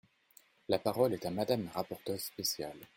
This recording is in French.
La parole est à Madame la rapporteure spéciale.